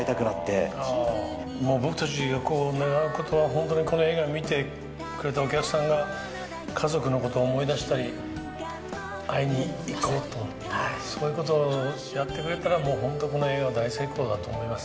僕たちが願うことは、この映画見てくれたお客さんが家族のことを思い出したり、会いに行こうと、そういうことをやってくれたら、もう、本当、この映画は大成功だと思います。